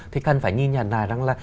thì cần phải nhìn nhận lại rằng là